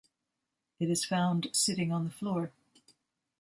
It is found sitting on the floor.